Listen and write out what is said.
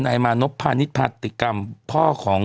นายมานพพาณิชยพาติกรรมพ่อของ